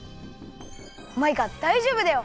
マイカだいじょうぶだよ！